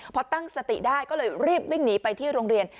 พอตั้งสติได้ก็เลยรีบวิ่งหนีไปที่โรงเรียน